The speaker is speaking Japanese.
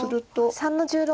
黒３の十六。